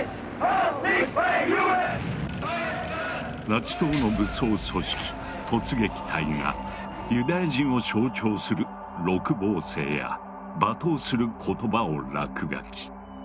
ナチ党の武装組織「突撃隊」がユダヤ人を象徴する六芒星や罵倒する言葉を落書き。